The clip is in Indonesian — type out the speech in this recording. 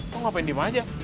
kok ngapain diem aja